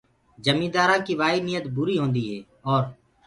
جميندآرو ڪي وآئي نيت بري هوندي هي اور